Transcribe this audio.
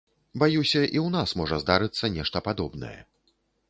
Баюся, і ў нас можа здарыцца нешта падобнае.